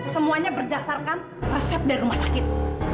semuanya berdasarkan resep dari rumah sakit